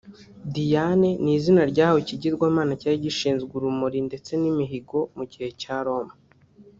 Diane ni izina ryahawe ikigirwamana cyari gishinzwe urumuri ndetse n’imihigo mu gihe cya Roma